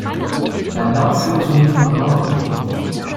Sein Lauf führt zunächst nach Norden.